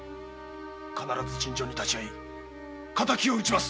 必ず尋常に立ち合い敵を討ちます